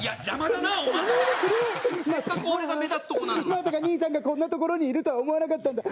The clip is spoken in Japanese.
まさか兄さんがこんな所にいるとは思わなかったんだ！